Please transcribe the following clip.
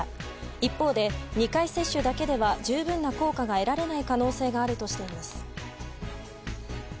一方で２回接種だけでは十分な効果を得られない可能性があるとしています。